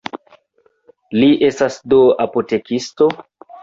Li estas do apotekisto?